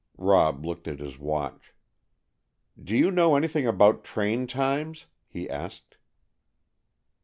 Rob looked at his watch. "Do you know anything about train times?" he asked.